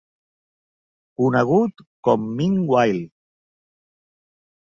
Conegut com "Mean While!"